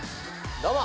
どうも。